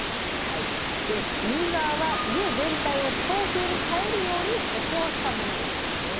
で右側は家全体を強風に耐えるように補強したものです。